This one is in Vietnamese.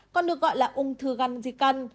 còn được gọi là ung thư gan di căn